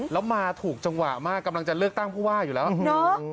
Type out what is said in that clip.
แล้วมาถูกจังหวะมากกำลังจะเลือกตั้งผู้ว่าอยู่แล้ว